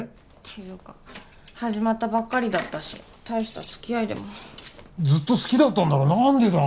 ていうか始まったばっかりだったし大した付き合いでもずっと好きだったんだろ何でだ！？